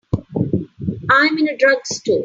I'm in a drugstore.